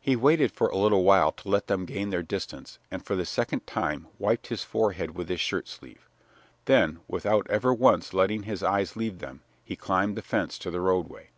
He waited for a little while to let them gain their distance and for the second time wiped his forehead with his shirt sleeve; then, without ever once letting his eyes leave them, he climbed the fence to the roadway.